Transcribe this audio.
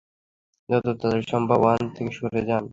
যত তাড়াতাড়ি সম্ভব ওখান থেকে সরে যান।